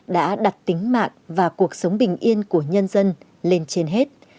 đã đặt tính mạng và cuộc sống bình yên của nhân dân lên trên hết